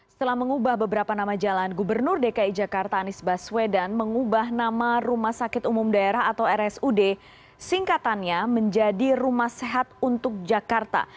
setelah mengubah beberapa nama jalan gubernur dki jakarta anies baswedan mengubah nama rumah sakit umum daerah atau rsud singkatannya menjadi rumah sehat untuk jakarta